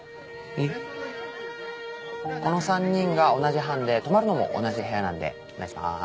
この３人が同じ班で泊まるのも同じ部屋なんでお願いします